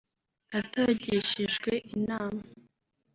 atagishijwe inama